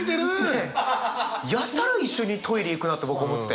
やたら一緒にトイレ行くなって僕思ってて。